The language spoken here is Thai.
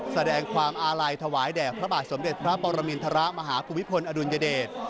แสดงความอาลัยถวายแด่พระบาทสมเด็จพระปรมินทรมาฮภูมิพลอดุลยเดช